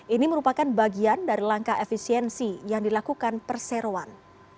ini merupakan bagian dari langkah efisiensi yang dilakukan perseroan